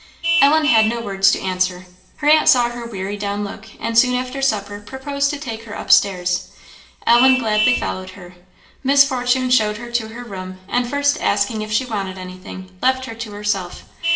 Ellen had no words to answer. Her aunt saw her weary down look, and soon after supper proposed to take her upstairs. Ellen gladly followed her. Miss Fortune showed her to her room, and first asking if she wanted any thing, left her to herself.